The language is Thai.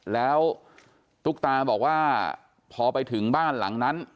แล้วตุ๊กตาบอกว่าพอไปถึงบ้านหลังนั้น